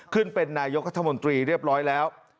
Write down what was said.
ขึ้นเป็นนายกรัฐมนตรีเรียบร้อยแล้ว